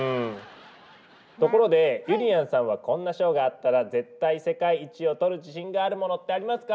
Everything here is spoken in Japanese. ところでゆりやんさんはこんな賞があったら絶対世界一を取る自信があるものってありますか？